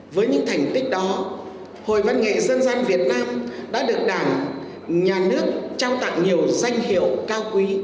với những thành tích đó hội văn nghệ dân gian việt nam đã được đảng nhà nước trao tặng nhiều danh hiệu cao quý